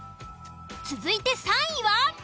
続いて３位は？